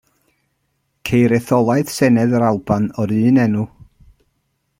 Ceir etholaeth Senedd yr Alban o'r un enw.